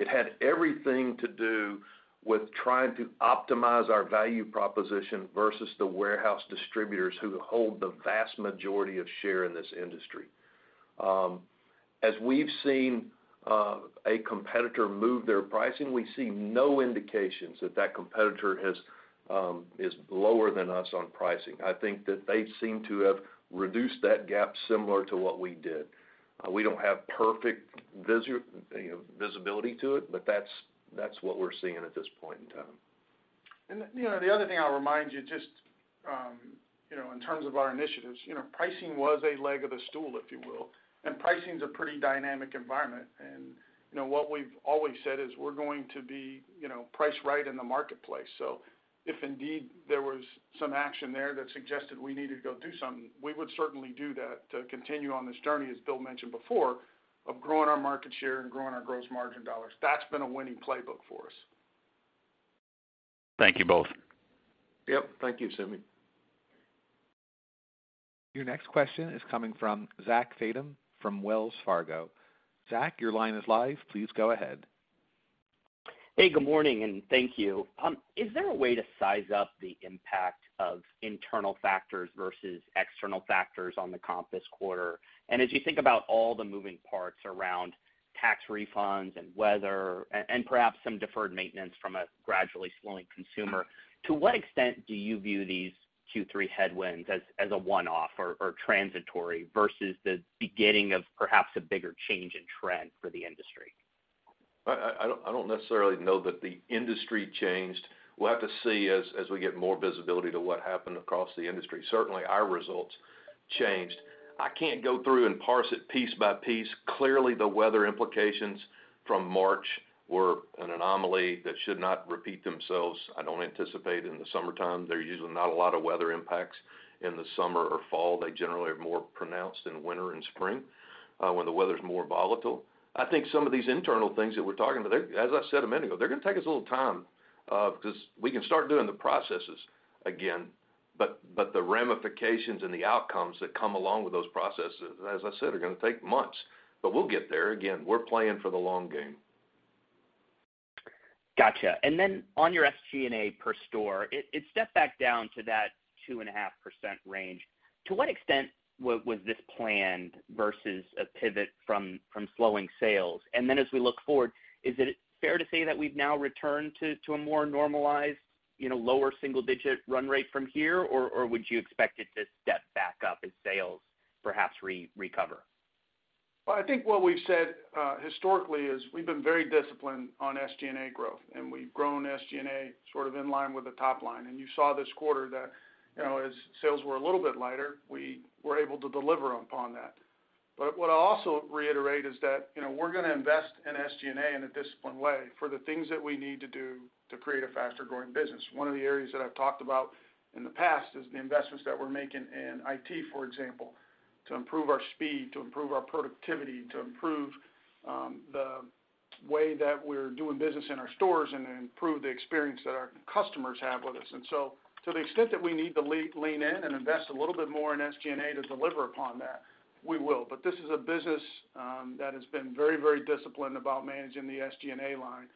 It had everything to do with trying to optimize our value proposition versus the warehouse distributors who hold the vast majority of share in this industry. As we've seen, a competitor move their pricing, we see no indications that that competitor has, is lower than us on pricing. I think that they seem to have reduced that gap similar to what we did. We don't have perfect you know, visibility to it, but that's what we're seeing at this point in time. You know, the other thing I'll remind you just, you know, in terms of our initiatives, you know, pricing was a leg of the stool, if you will, and pricing's a pretty dynamic environment. You know, what we've always said is we're going to be, you know, priced right in the marketplace. If indeed there was some action there that suggested we needed to go do something, we would certainly do that to continue on this journey, as Bill mentioned before, of growing our market share and growing our gross margin dollars. That's been a winning playbook for us. Thank you both. Yep. Thank you, Simeon. Your next question is coming from Zachary Fadem from Wells Fargo. Zach, your line is live. Please go ahead. Hey, good morning, and thank you. Is there a way to size up the impact of internal factors versus external factors on the comp this quarter? As you think about all the moving parts around tax refunds and weather and perhaps some deferred maintenance from a gradually slowing consumer, to what extent do you view these Q3 headwinds as a one-off or transitory versus the beginning of perhaps a bigger change in trend for the industry? I don't necessarily know that the industry changed. We'll have to see as we get more visibility to what happened across the industry. Certainly, our results changed. I can't go through and parse it piece by piece. Clearly, the weather implications from March were an anomaly that should not repeat themselves. I don't anticipate in the summertime. There are usually not a lot of weather impacts in the summer or fall. They generally are more pronounced in winter and spring, when the weather's more volatile. I think some of these internal things that we're talking about, as I said a minute ago, they're gonna take us a little time, because we can start doing the processes again. The ramifications and the outcomes that come along with those processes, as I said, are gonna take months. We'll get there. Again, we're playing for the long game. Gotcha. On your SG&A per store, it stepped back down to that 2.5% range. To what extent was this planned versus a pivot from slowing sales? As we look forward, is it fair to say that we've now returned to a more normalized, you know, lower single-digit run rate from here, or would you expect it to step back up as sales perhaps recover? Well, I think what we've said historically is we've been very disciplined on SG&A growth, and we've grown SG&A sort of in line with the top line. You saw this quarter that, you know, as sales were a little bit lighter, we were able to deliver upon that. What I also reiterate is that, you know, we're gonna invest in SG&A in a disciplined way for the things that we need to do to create a faster-growing business. One of the areas that I've talked about in the past is the investments that we're making in IT, for example, to improve our speed, to improve our productivity, to improve the way that we're doing business in our stores and improve the experience that our customers have with us. To the extent that we need to lean in and invest a little bit more in SG&A to deliver upon that, we will. This is a business that has been very disciplined about managing the SG&A line.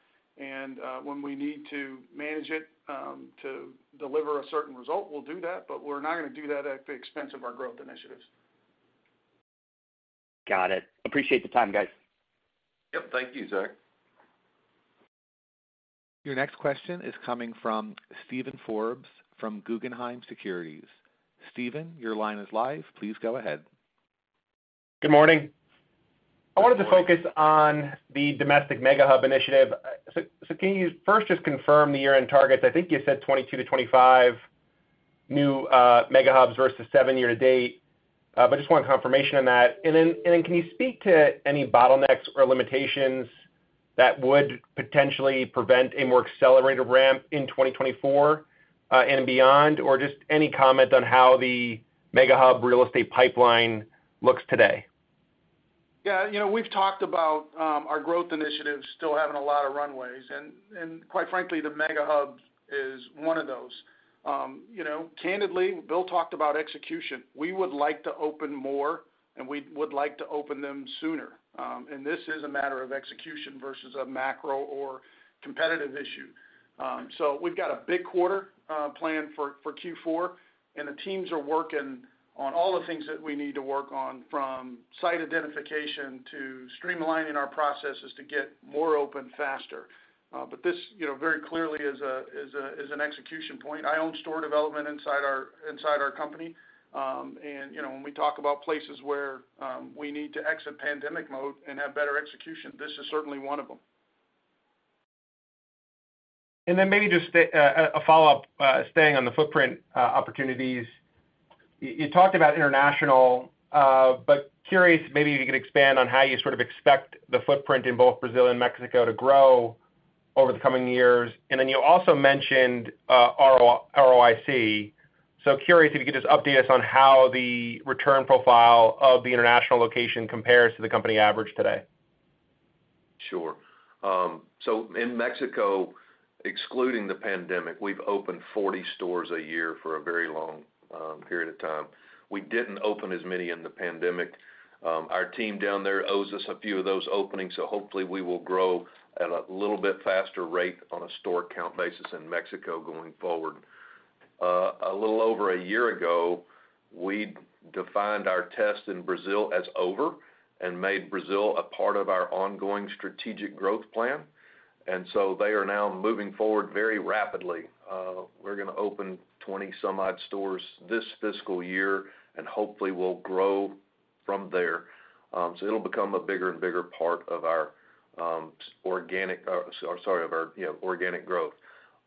When we need to manage it, to deliver a certain result, we'll do that, but we're not gonna do that at the expense of our growth initiatives. Got it. Appreciate the time, guys. Yep. Thank you, Zach. Your next question is coming from Steven Forbes from Guggenheim Securities. Steven, your line is live. Please go ahead. Good morning. I wanted to focus on the domestic Mega Hub initiative. Can you first just confirm the year-end targets? I think you said 22 to 25 new Mega Hubs versus 7 year-to-date. Just want confirmation on that. Then can you speak to any bottlenecks or limitations that would potentially prevent a more accelerated ramp in 2024 and beyond? Or just any comment on how the Mega Hub real estate pipeline looks today. Yeah. You know, we've talked about our growth initiatives still having a lot of runways. Quite frankly, the Mega Hub is one of those. You know, candidly, Bill talked about execution. We would like to open more. We would like to open them sooner. This is a matter of execution versus a macro or competitive issue. We've got a big quarter planned for Q4. The teams are working on all the things that we need to work on, from site identification to streamlining our processes to get more open faster. This, you know, very clearly is an execution point. I own store development inside our company. You know, when we talk about places where we need to exit pandemic mode and have better execution, this is certainly one of them. Maybe just a follow-up, staying on the footprint opportunities, you talked about international, but curious, maybe if you could expand on how you sort of expect the footprint in both Brazil and Mexico to grow over the coming years? You also mentioned ROIC. Curious if you could just update us on how the return profile of the international location compares to the company average today? Sure. In Mexico, excluding the pandemic, we've opened 40 stores a year for a very long period of time. We didn't open as many in the pandemic. Our team down there owes us a few of those openings, so hopefully we will grow at a little bit faster rate on a store count basis in Mexico going forward. A little over 1 year ago, we defined our test in Brazil as over and made Brazil a part of our ongoing strategic growth plan. They are now moving forward very rapidly. We're gonna open 20 some odd stores this fiscal year and hopefully will grow from there. It'll become a bigger and bigger part of our, you know, organic growth.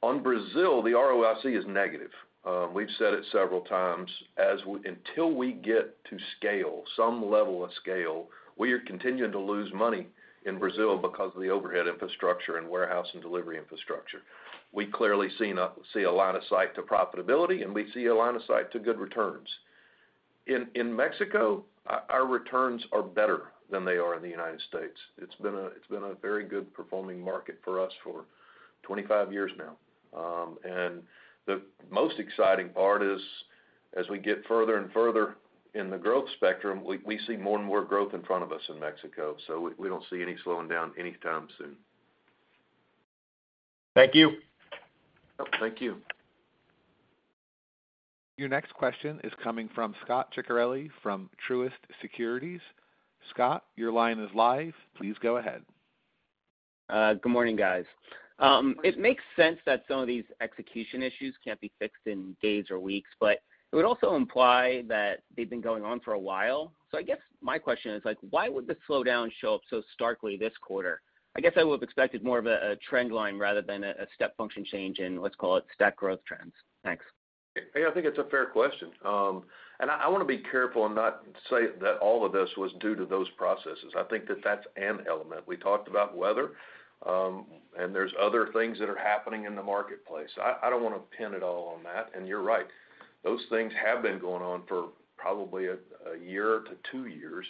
On Brazil, the ROIC is negative. We've said it several times. Until we get to scale, some level of scale, we are continuing to lose money in Brazil because of the overhead infrastructure and warehouse and delivery infrastructure. We clearly see a line of sight to profitability. We see a line of sight to good returns. In Mexico, our returns are better than they are in the United States. It's been a very good performing market for us for 25 years now. The most exciting part is. As we get further and further in the growth spectrum, we see more and more growth in front of us in Mexico. We don't see any slowing down anytime soon. Thank you. Oh, thank you. Your next question is coming from Scot Ciccarelli from Truist Securities. Scot, your line is live. Please go ahead. Good morning, guys. It makes sense that some of these execution issues can't be fixed in days or weeks, but it would also imply that they've been going on for a while. I guess my question is like, why would the slowdown show up so starkly this quarter? I guess I would've expected more of a trend line rather than a step function change in, let's call it, stack growth trends. Thanks. Hey, I think it's a fair question. I wanna be careful and not say that all of this was due to those processes. I think that that's an element. We talked about weather, there's other things that are happening in the marketplace. I don't wanna pin it all on that. You're right, those things have been going on for probably a year to two years.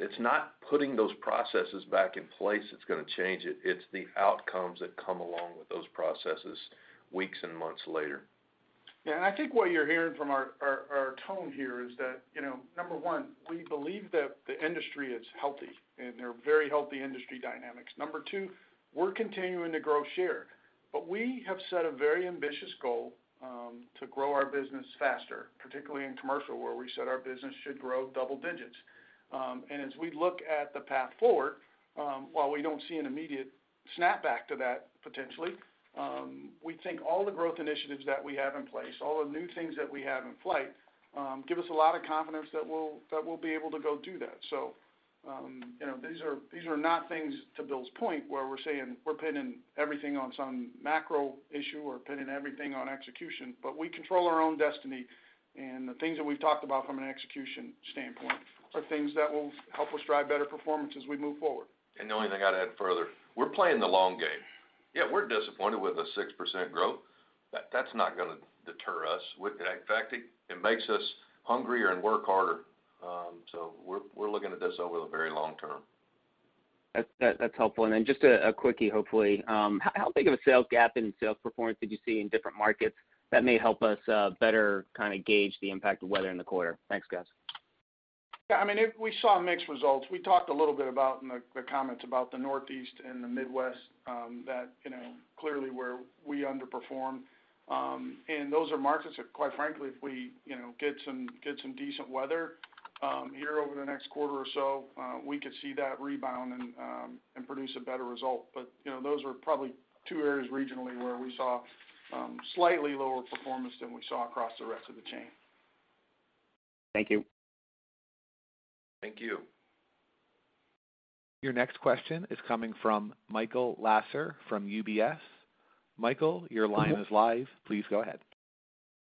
It's not putting those processes back in place that's gonna change it's the outcomes that come along with those processes weeks and months later. Yeah. I think what you're hearing from our tone here is that, you know, number 1, we believe that the industry is healthy, and there are very healthy industry dynamics. Number 2, we're continuing to grow share. We have set a very ambitious goal to grow our business faster, particularly in commercial, where we said our business should grow double digits. As we look at the path forward, while we don't see an immediate snapback to that potentially, we think all the growth initiatives that we have in place, all the new things that we have in flight, give us a lot of confidence that we'll be able to go do that. You know, these are, these are not things, to Bill's point, where we're saying we're pinning everything on some macro issue or pinning everything on execution, but we control our own destiny, and the things that we've talked about from an execution standpoint are things that will help us drive better performance as we move forward. The only thing I'd add further, we're playing the long game. Yeah, we're disappointed with the 6% growth. That's not gonna deter us. In fact, it makes us hungrier and work harder. We're looking at this over the very long term. That's helpful. Just a quickie, hopefully. How big of a sales gap in sales performance did you see in different markets that may help us better kinda gauge the impact of weather in the quarter? Thanks, guys. Yeah. I mean, we saw mixed results. We talked a little bit about in the comments about the Northeast and the Midwest, that, you know, clearly where we underperformed. Those are markets that quite frankly, if we, you know, get some, get some decent weather, here over the next quarter or so, we could see that rebound and produce a better result. You know, those are probably two areas regionally where we saw slightly lower performance than we saw across the rest of the chain. Thank you. Thank you. Your next question is coming from Michael Lasser from UBS. Michael, your line is live. Please go ahead.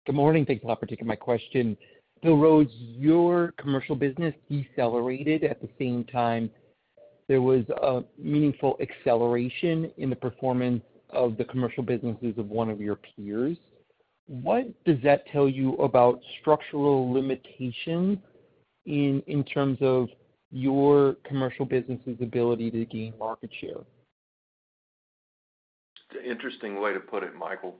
Good morning. Thanks for the opportunity to take my question. Bill Rhodes, your commercial business decelerated at the same time there was a meaningful acceleration in the performance of the commercial businesses of one of your peers. What does that tell you about structural limitations in terms of your commercial business's ability to gain market share? It's an interesting way to put it, Michael.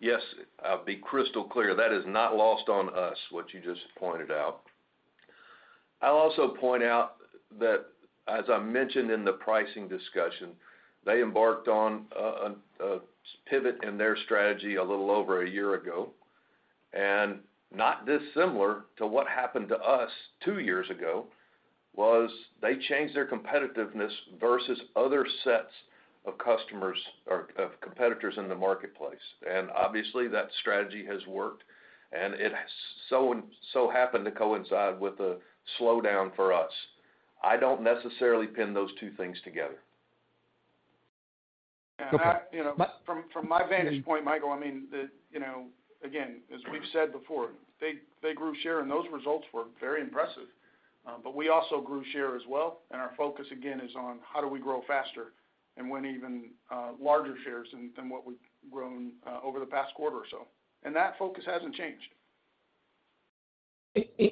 Yes, I'll be crystal clear, that is not lost on us, what you just pointed out. I'll also point out that, as I mentioned in the pricing discussion, they embarked on a pivot in their strategy a little over a year ago. Not dissimilar to what happened to us two years ago was they changed their competitiveness versus other sets of customers or of competitors in the marketplace. Obviously, that strategy has worked, and it so happened to coincide with the slowdown for us. I don't necessarily pin those two things together. Okay. You know, from my vantage point, Michael, I mean, the, you know, again, as we've said before, they grew share. Those results were very impressive. We also grew share as well. Our focus again is on how do we grow faster and win even larger shares than what we've grown over the past quarter or so. That focus hasn't changed.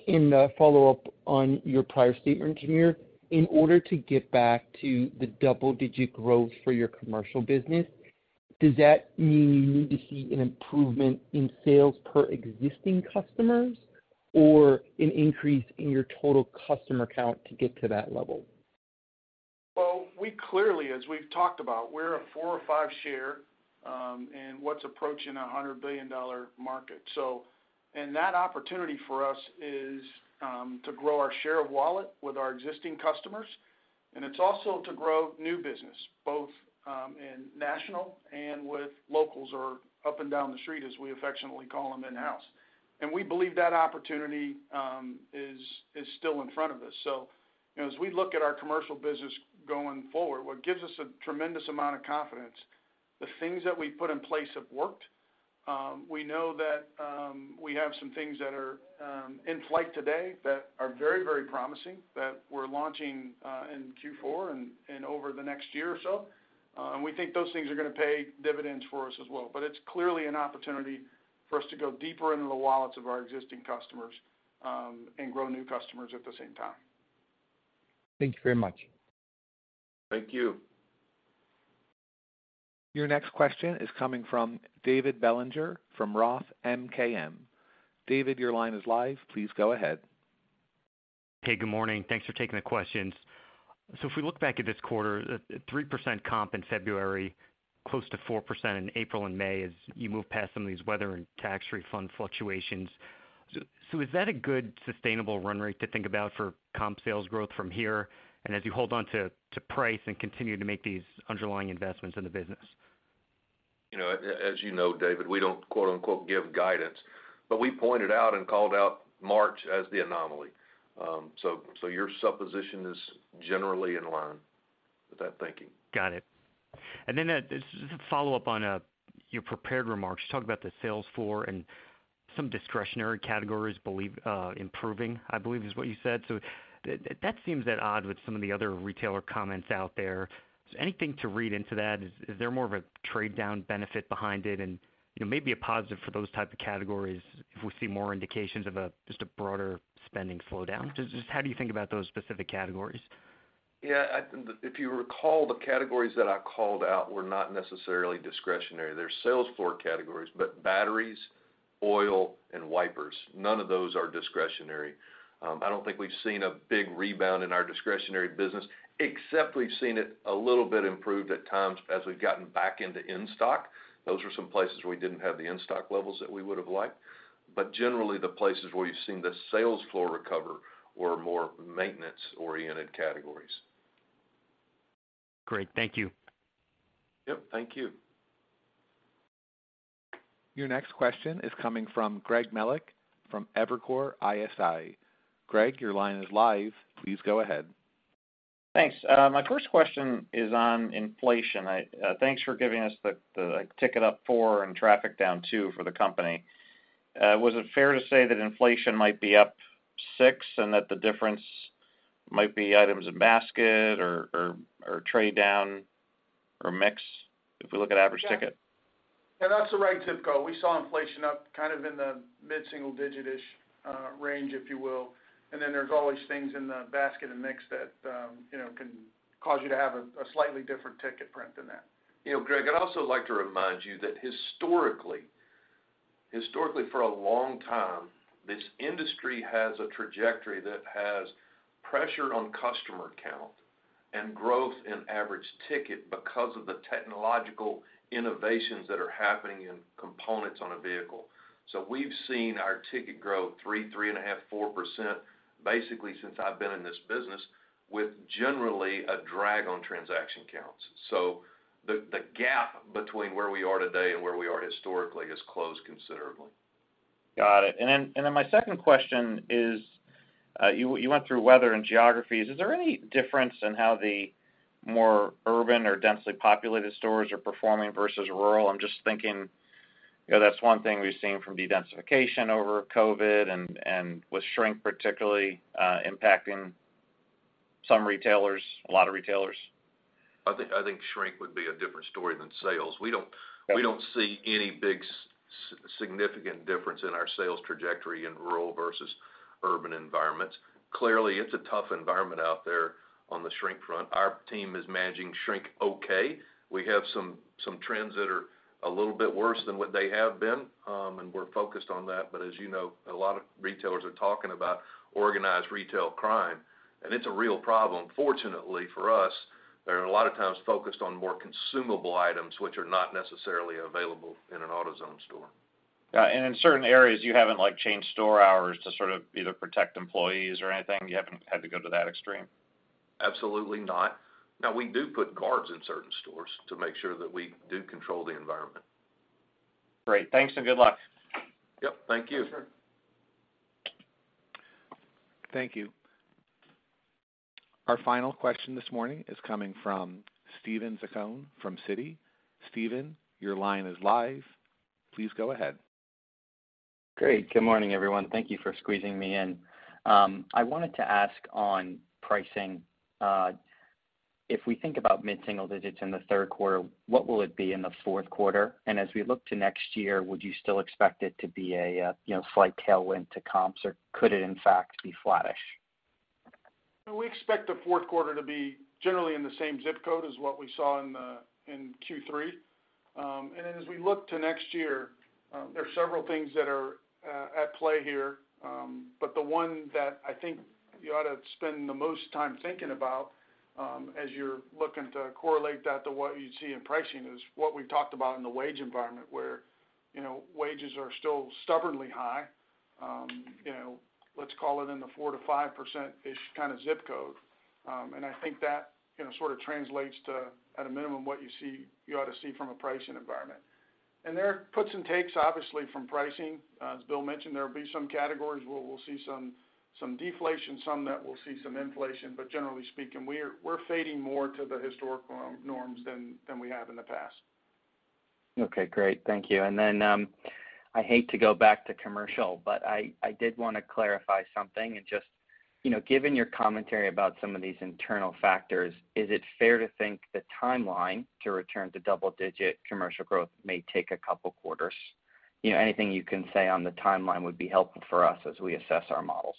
In a follow-up on your prior statement, Jamere, in order to get back to the double-digit growth for your commercial business, does that mean you need to see an improvement in sales per existing customers or an increase in your total customer count to get to that level? We clearly, as we've talked about, we're a 4% or 5% share in what's approaching a $100 billion market. That opportunity for us is to grow our share of wallet with our existing customers. It's also to grow new business, both in national and with locals or up and down the street, as we affectionately call them in-house. We believe that opportunity is still in front of us. You know, as we look at our commercial business going forward, what gives us a tremendous amount of confidence, the things that we've put in place have worked. We know that we have some things that are in flight today that are very, very promising that we're launching in Q4 and over the next year or so. We think those things are gonna pay dividends for us as well. It's clearly an opportunity for us to go deeper into the wallets of our existing customers, and grow new customers at the same time. Thank you very much. Thank you. Your next question is coming from David Bellinger from Roth MKM. David, your line is live. Please go ahead. Hey, good morning. Thanks for taking the questions. If we look back at this quarter, 3% comp in February, close to 4% in April and May as you move past some of these weather and tax refund fluctuations. Is that a good sustainable run rate to think about for comp sales growth from here, and as you hold on to price and continue to make these underlying investments in the business? You know, as you know, David, we don't quote unquote, "give guidance," but we pointed out and called out March as the anomaly. Your supposition is generally in line with that thinking. Got it. Then, just a follow-up on your prepared remarks. You talked about the sales floor and some discretionary categories believe, improving, I believe, is what you said. That seems at odds with some of the other retailer comments out there. Is anything to read into that? Is there more of a trade down benefit behind it and, you know, maybe a positive for those type of categories if we see more indications of a, just a broader spending slowdown? Just how do you think about those specific categories? Yeah, if you recall, the categories that I called out were not necessarily discretionary. They're sales floor categories, but batteries, oil, and wipers, none of those are discretionary. I don't think we've seen a big rebound in our discretionary business, except we've seen it a little bit improved at times as we've gotten back into in-stock. Those are some places we didn't have the in-stock levels that we would have liked. Generally, the places where we've seen the sales floor recover were more maintenance-oriented categories. Great. Thank you. Yep, thank you. Your next question is coming from Greg Melich from Evercore ISI. Greg, your line is live. Please go ahead. Thanks. My first question is on inflation. I, thanks for giving us the ticket up 4% and traffic down 2% for the company. Was it fair to say that inflation might be up 6% and that the difference might be items in basket or trade down or mix if we look at average ticket? Yeah, that's the right zip code. We saw inflation up kind of in the mid-single digit-ish range, if you will. There's always things in the basket and mix that, you know, can cause you to have a slightly different ticket print than that. You know, Greg, I'd also like to remind you that historically, for a long time, this industry has a trajectory that has pressure on customer count and growth in average ticket because of the technological innovations that are happening in components on a vehicle. We've seen our ticket grow 3%, 3.5%, 4% basically since I've been in this business, with generally a drag on transaction counts. The gap between where we are today and where we are historically has closed considerably. Got it. Then my second question is, you went through weather and geographies. Is there any difference in how the more urban or densely populated stores are performing versus rural? I'm just thinking, you know, that's one thing we've seen from dedensification over COVID and with shrink particularly impacting some retailers, a lot of retailers. I think shrink would be a different story than sales. Okay. We don't see any big significant difference in our sales trajectory in rural versus urban environments. Clearly, it's a tough environment out there on the shrink front. Our team is managing shrink okay. We have some trends that are a little bit worse than what they have been, and we're focused on that. As you know, a lot of retailers are talking about organized retail crime, and it's a real problem. Fortunately for us, they're a lot of times focused on more consumable items, which are not necessarily available in an AutoZone store. Got it. In certain areas, you haven't, like, changed store hours to sort of either protect employees or anything? You haven't had to go to that extreme? Absolutely not. We do put guards in certain stores to make sure that we do control the environment. Great. Thanks, and good luck. Yep, thank you. Sure. Thank you. Our final question this morning is coming from Steven Zaccone from Citi. Steven, your line is live. Please go ahead. Great. Good morning, everyone. Thank you for squeezing me in. I wanted to ask on pricing. If we think about mid-single digits in the Q3, what will it be in the Q4? As we look to next year, would you still expect it to be a, you know, slight tailwind to comps, or could it in fact be flattish? We expect the Q4 to be generally in the same zip code as what we saw in the, in Q3. As we look to next year, there are several things that are at play here. The one that I think you ought to spend the most time thinking about, as you're looking to correlate that to what you see in pricing is what we've talked about in the wage environment, where, you know, wages are still stubbornly high. You know, let's call it in the 4%-5%-ish kind of zip code. I think that, you know, sort of translates to, at a minimum, what you see, you ought to see from a pricing environment. There are puts and takes, obviously, from pricing. As Bill mentioned, there will be some categories where we'll see some deflation, some that will see some inflation. Generally speaking, we're fading more to the historical norms than we have in the past. Okay, great. Thank you. I hate to go back to commercial, but I did wanna clarify something and just, you know, given your commentary about some of these internal factors, is it fair to think the timeline to return to double-digit commercial growth may take a couple quarters? You know, anything you can say on the timeline would be helpful for us as we assess our models.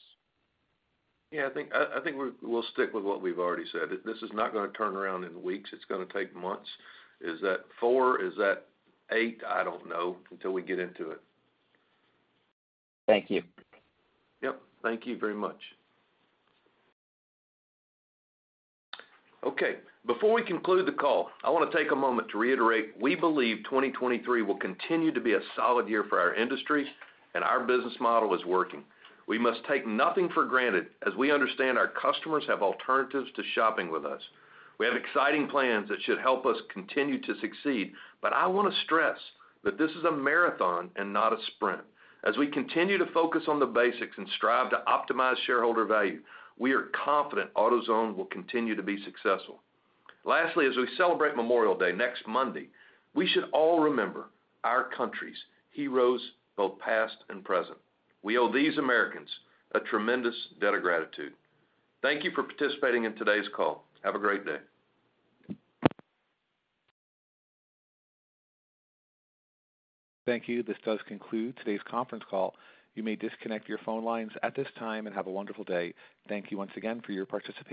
I think we'll stick with what we've already said. This is not gonna turn around in weeks. It's gonna take months. Is that 4? Is that 8? I don't know until we get into it. Thank you. Yep, thank you very much. Okay, before we conclude the call, I wanna take a moment to reiterate we believe 2023 will continue to be a solid year for our industry. Our business model is working. We must take nothing for granted as we understand our customers have alternatives to shopping with us. We have exciting plans that should help us continue to succeed. I wanna stress that this is a marathon and not a sprint. As we continue to focus on the basics and strive to optimize shareholder value, we are confident AutoZone will continue to be successful. Lastly, as we celebrate Memorial Day next Monday, we should all remember our country's heroes, both past and present. We owe these Americans a tremendous debt of gratitude. Thank you for participating in today's call. Have a great day. Thank you. This does conclude today's conference call. You may disconnect your phone lines at this time, and have a wonderful day. Thank you once again for your participation.